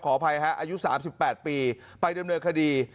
อภัยฮะอายุ๓๘ปีไปดำเนินคดี